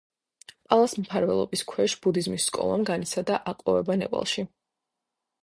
პალას მფარველობის ქვეშ ბუდიზმის სკოლამ განიცადა აყვავება ნეპალში.